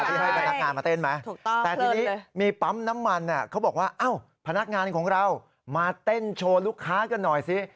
ที่ให้พนักงานมาเต้นไหมถูกต้องแต่ทีนี้มีปั๊มน้ำมันเขาบอกว่าอ้าวพนักงานของเรามาเต้นโชว์ลูกค้ากันหน่อยสิ